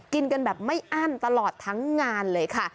กินกันแบบไม่อั้นตลอดทั้งงานเลยค่ะ